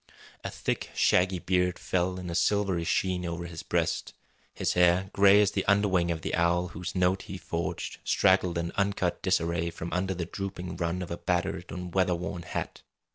A thick, shaggy beard fell in a silvery sheen over his breast. His hair, gray as the underwing of the owl whose note he forged, straggled in uncut disarray from under the drooping rim of a battered and weatherworn hat.